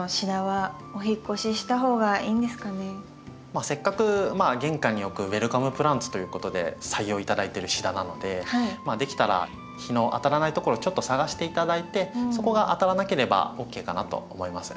まあせっかく玄関に置くウェルカムプランツということで採用頂いてるシダなのでできたら日の当たらないところちょっと探して頂いてそこが当たらなければＯＫかなと思います。